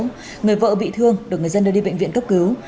người vợ bị thương được người dân đưa đi bệnh viện cấp cứu